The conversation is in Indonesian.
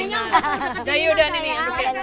udah yuk udah nih